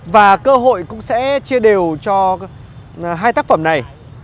và cơ hội cũng sẽ chia đều cho hai tác phẩm này